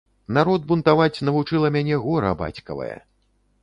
Народ бунтаваць навучыла мяне гора бацькавае.